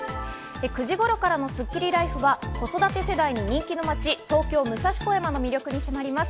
９時頃からスッキリＬＩＦＥ、子育て世代に人気の街、東京・武蔵小山の魅力に迫ります。